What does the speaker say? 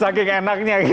saking enaknya gitu